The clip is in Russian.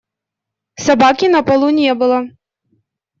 Собаки на полу не было.